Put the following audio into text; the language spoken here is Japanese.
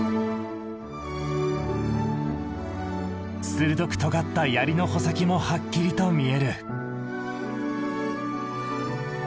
鋭くとがった槍の穂先もはっきりと見える。